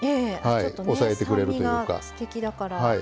ちょっとね酸味がすてきだから。